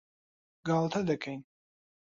گاڵتە دەکەین.